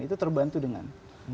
itu terbantu dengan